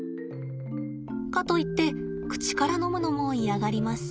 かといって口から飲むのも嫌がります。